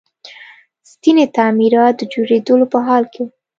ځینې تعمیرات د جوړېدلو په حال کې وو